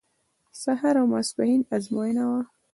سهار او ماسپښین ازموینه وه.